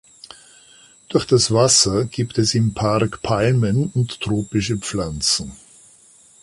Durch das Wasser gibt es im Park Palmen und tropische Pflanzen.